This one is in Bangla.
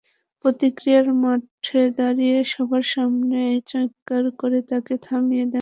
প্রতিক্রিয়ায় মাঠে দাঁড়িয়ে সবার সামনেই চিৎকার করে তাঁকে থামিয়ে দেন তামিম।